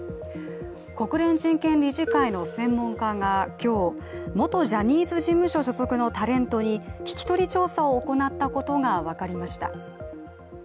国連人権理事会の専門家が今日、元ジャニーズ事務所所属のタレントに聞き取り調査を行ったことが分かりました。